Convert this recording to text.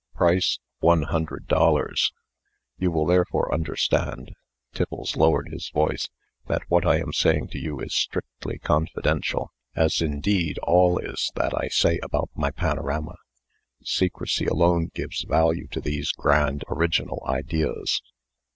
Price, one hundred dollars. You will therefore understand (Tiffles lowered his voice) that what I am saying to you is strictly confidential as, indeed, all is that I say about my panorama. Secrecy alone gives value to these grand, original ideas."